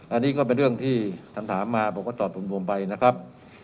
อันนี้ก็เป็นเรื่องที่ท่านถามมาผมก็ตอบผมไปนะครับ